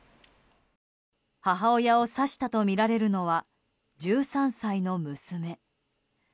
母親を刺したとみられるのは１３歳の娘。